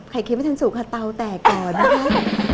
เค็มไม่ทันสุกค่ะเตาแตกก่อนนะคะ